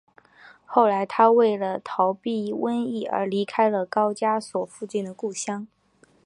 后来他为了逃避瘟疫而离开了高加索附近的故乡。